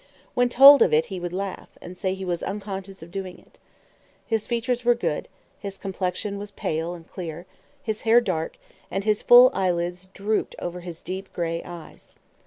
When told of it he would laugh, and say he was unconscious of doing it. His features were good, his complexion was pale and clear, his hair dark, and his full eyelids drooped over his deep gray eyes.